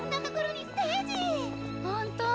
本当！